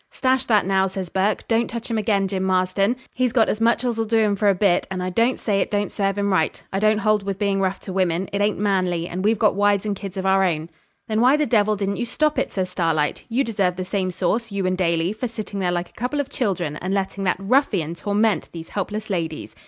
'Stash that, now,' says Burke; 'don't touch him again, Jim Marston. He's got as much as 'll do him for a bit; and I don't say it don't serve him right. I don't hold with being rough to women. It ain't manly, and we've got wives and kids of our own.' 'Then why the devil didn't you stop it?' says Starlight. 'You deserve the same sauce, you and Daly, for sitting there like a couple of children, and letting that ruffian torment these helpless ladies.